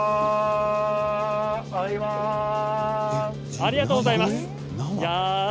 ありがとうございます。